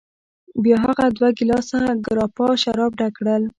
بیا هغه دوه ګیلاسه ګراپا شراب ډک کړل.